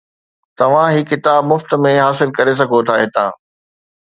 توھان ھي ڪتاب مفت ۾ حاصل ڪري سگھو ٿا ھتان